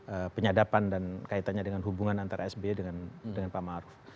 ada penyadapan dan kaitannya dengan hubungan antara sbi dengan pak ma'ruf